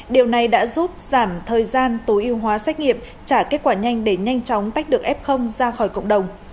điều này đã giúp giảm thời gian tối ưu hóa xét nghiệm trả kết quả nhanh để nhanh chóng tách được f ra khỏi cộng đồng